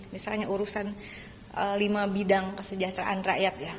misalnya urusan lima bidang kesejahteraan rakyat ya